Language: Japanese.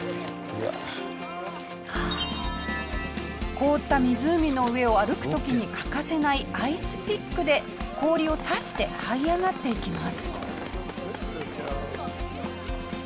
凍った湖の上を歩く時に欠かせないアイスピックで氷を刺してはい上がっていきます。